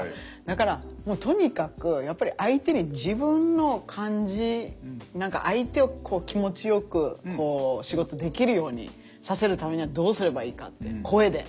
だからもうとにかくやっぱり相手に自分の感じ何か相手を気持ちよくこう仕事できるようにさせるためにはどうすればいいかって声で。